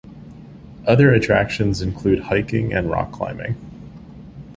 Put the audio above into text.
Other attractions include hiking and rock climbing.